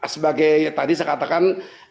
sebagai tadi saya katakan